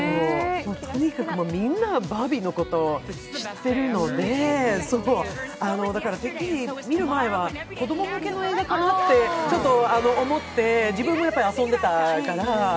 とにかくみんなはバービーのこと知ってるので、てっきり見る前は、子供向けの映画かなとちょっと思って、自分も遊んでたから。